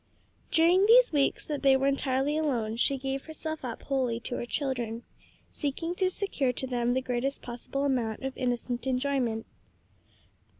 During these weeks that they were entirely alone she gave herself up wholly to her children, seeking to secure to them the greatest possible amount of innocent enjoyment.